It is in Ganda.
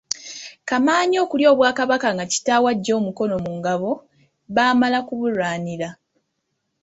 Kamaanya okulya Obwakabaka nga kitaawe aggye omukono mu Ngabo, baamala kubulwanira.